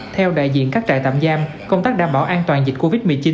theo đại diện các trại tạm giam công tác đảm bảo an toàn dịch covid một mươi chín